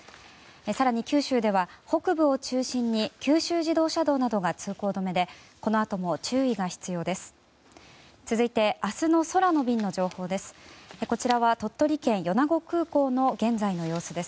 更に九州では北部を中心に九州自動車道などが通行止めでこのあとも注意が必要です。